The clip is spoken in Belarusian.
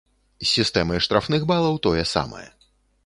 З сістэмай штрафных балаў тое самае.